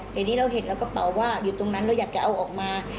แต่นี่เราเห็นแล้วกระเป๋าว่าอยู่ตรงนั้นเราอยากจะเอาออกมา